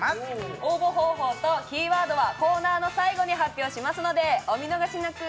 応募方法とキーワードはコーナーの最後に発表しますので、お見逃しなく！